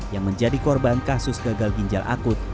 yang menjadi korban kasus gagal ginjal akut